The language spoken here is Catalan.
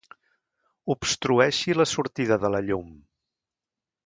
Obstrueixi la sortida de la llum.